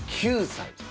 ９歳。